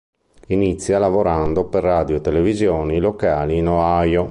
Inizia lavorando per radio e televisione locali in Ohio.